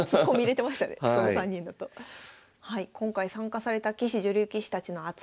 今回参加された棋士・女流棋士たちの熱い思い